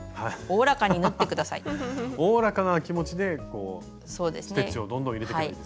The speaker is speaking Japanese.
おおらかな気持ちでステッチをどんどん入れてけばいいんですね。